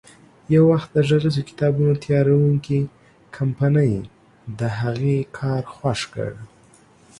یو وخت د غږیزو کتابونو تیاروونکې کمپنۍ د هغې کار خوښ کړ.